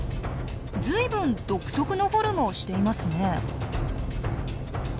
随分独特のフォルムをしていますね。